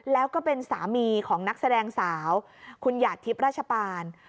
แล้วก็เป็นสามีของนักแสดงสาวคุณหยาดทิพย์ราชปาน